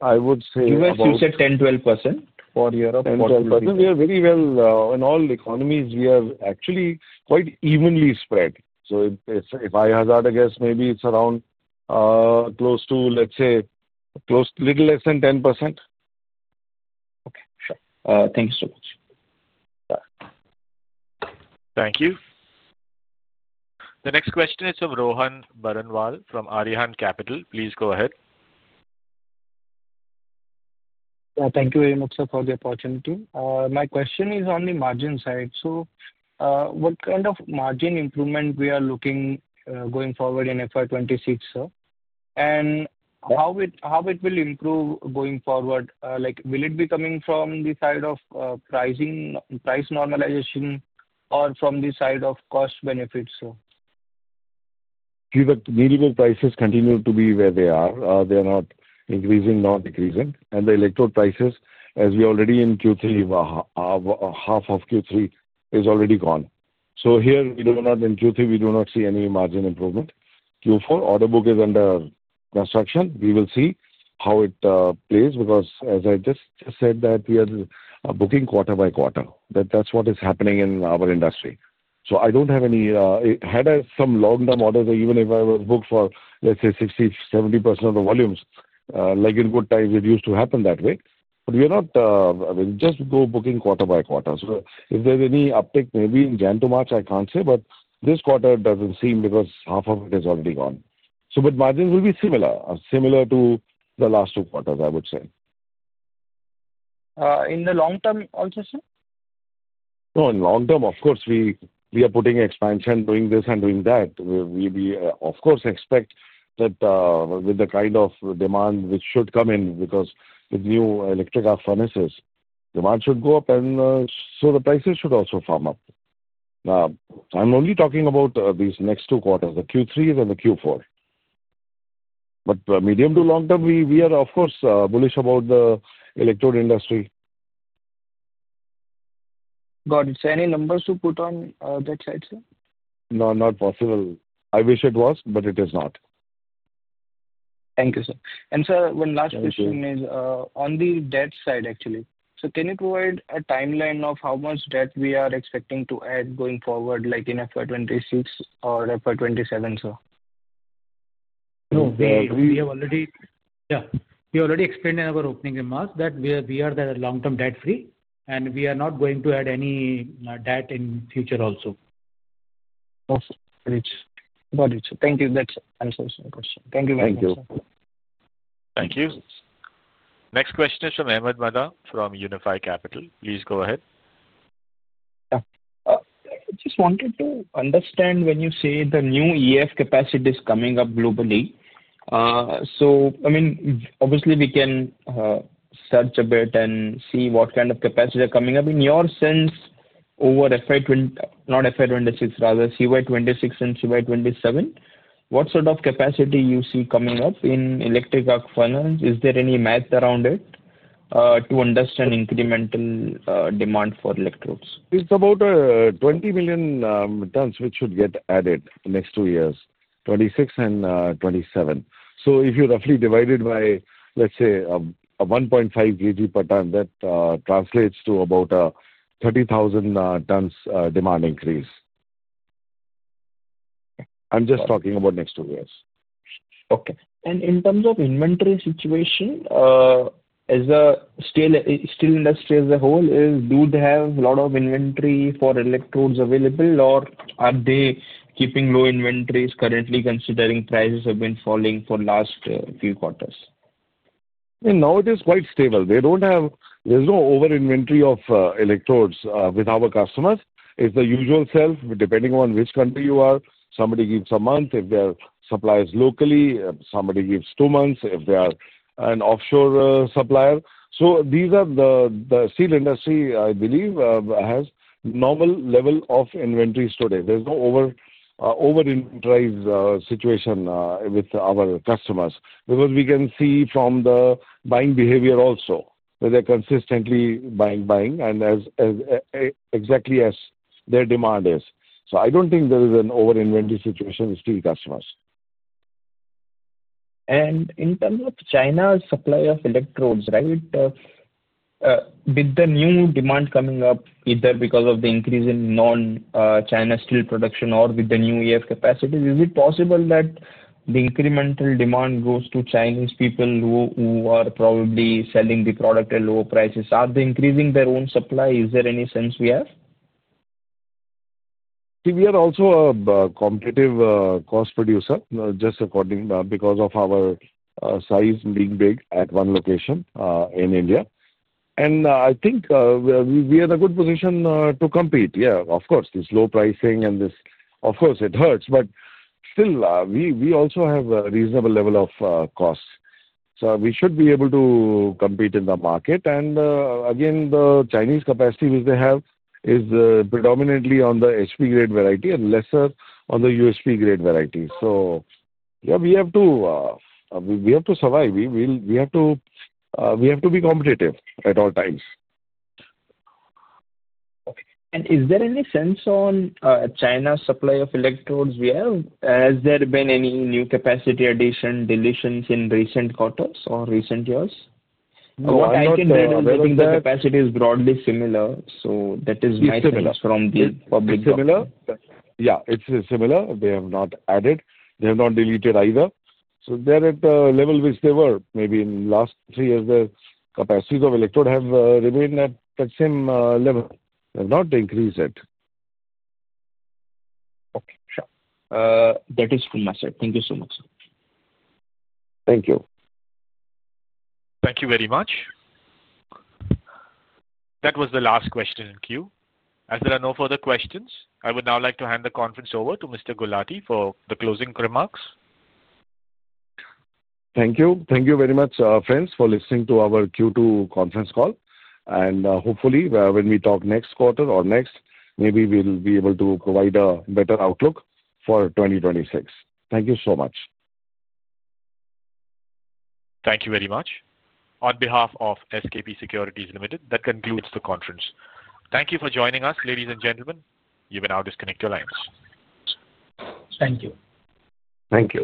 I would say. U.S., you said 10%-12%? For Europe? 10%-12%. We are very well in all economies. We are actually quite evenly spread. If I hazard, I guess maybe it is around close to, let's say, little less than 10%. Okay. Sure. Thank you so much. Thank you. The next question is from Rohan Baranwal from Arihant Capital. Please go ahead. Thank you very much, sir, for the opportunity. My question is on the margin side. What kind of margin improvement are we looking at going forward in FY 2026, sir? How will it improve going forward? Will it be coming from the side of price normalization or from the side of cost benefits, sir? Minumum prices continue to be where they are. They are not increasing, not decreasing. The electrode prices, as we already in Q3, half of Q3 is already gone. Here, in Q3, we do not see any margin improvement. Q4, order book is under construction. We will see how it plays because, as I just said, we are booking quarter by quarter. That is what is happening in our industry. I do not have any, had I some long-term orders, even if I was booked for, let's say, 60-70% of the volumes, like in good times, it used to happen that way. We are not, just booking quarter by quarter. If there is any uptick, maybe in January to March, I cannot say. This quarter does not seem because half of it is already gone. Margins will be similar to the last two quarters, I would say. In the long term also, sir? No, in long term, of course, we are putting expansion, doing this and doing that. We, of course, expect that with the kind of demand which should come in because with new electric arc furnaces, demand should go up. Prices should also firm up. I'm only talking about these next two quarters, the Q3 and the Q4. Medium to long term, we are, of course, bullish about the electrode industry. Got it. So any numbers to put on that side, sir? No, not possible. I wish it was, but it is not. Thank you, sir. Sir, one last question is on the debt side, actually. Can you provide a timeline of how much debt we are expecting to add going forward, like in FY 2026 or FY 2027, sir? No, we have already, yeah. We already explained in our opening remarks that we are long-term debt-free, and we are not going to add any debt in future also. Got it. Got it. Thank you. That is my answer to your question. Thank you very much, sir. Thank you. Thank you. Next question is from Ahmed Madha from Unifi Capital. Please go ahead. Yeah. I just wanted to understand when you say the new EAF capacity is coming up globally. I mean, obviously, we can search a bit and see what kind of capacity are coming up. In your sense, over FY, not FY 2026, rather CY 2026 and CY 2027, what sort of capacity do you see coming up in electric arc furnaces? Is there any math around it to understand incremental demand for electrodes? It's about 20 million tons, which should get added next two years, 2026 and 2027. If you roughly divide it by, let's say, 1.5 kg per ton, that translates to about 30,000 tons demand increase. I'm just talking about next two years. Okay. In terms of inventory situation, is the steel industry as a whole, do they have a lot of inventory for electrodes available, or are they keeping low inventories currently, considering prices have been falling for the last few quarters? Now, it is quite stable. There's no over-inventory of electrodes with our customers. It's the usual self. Depending on which country you are, somebody gives a month. If they're suppliers locally, somebody gives two months if they are an offshore supplier. The steel industry, I believe, has a normal level of inventories today. There's no over-inventory situation with our customers because we can see from the buying behavior also that they're consistently buying, buying, and exactly as their demand is. I don't think there is an over-inventory situation with steel customers. In terms of China's supply of electrodes, right, with the new demand coming up, either because of the increase in non-China steel production or with the new EF capacity, is it possible that the incremental demand goes to Chinese people who are probably selling the product at lower prices? Are they increasing their own supply? Is there any sense we have? See, we are also a competitive cost producer, just because of our size being big at one location in India. I think we are in a good position to compete. Yeah, of course, this low pricing and this, of course, it hurts. Still, we also have a reasonable level of cost. We should be able to compete in the market. Again, the Chinese capacity which they have is predominantly on the HP-grade variety and lesser on the UHP-grade variety. Yeah, we have to survive. We have to be competitive at all times. Okay. Is there any sense on China's supply of electrodes we have? Has there been any new capacity addition, deletions in recent quarters or recent years? What I can read is I think the capacity is broadly similar. That is my sense from the public. Similar. Yeah, it's similar. They have not added. They have not deleted either. So they're at the level which they were. Maybe in the last three years, the capacities of electrodes have remained at that same level. They have not increased it. Okay. Sure. That is from my side. Thank you so much, sir. Thank you. Thank you very much. That was the last question in queue. As there are no further questions, I would now like to hand the conference over to Mr. Gulati for the closing remarks. Thank you. Thank you very much, friends, for listening to our Q2 conference call. Hopefully, when we talk next quarter or next, maybe we'll be able to provide a better outlook for 2026. Thank you so much. Thank you very much. On behalf of SKP Securities Limited, that concludes the conference. Thank you for joining us, ladies and gentlemen. You may now disconnect your lines. Thank you. Thank you.